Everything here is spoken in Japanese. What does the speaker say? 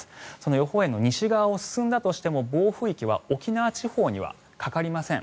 予報円の西側を進んだとしても暴風域は沖縄地方にはかかりません。